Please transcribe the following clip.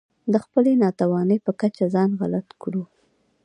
د خپلې ناتوانۍ په کچه ځان غلط کړو.